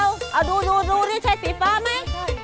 เอาดูใช่สีฟ้าไหม